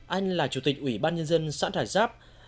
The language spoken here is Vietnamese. anh là chủ tịch ủy ban nhân dân xã hải giáp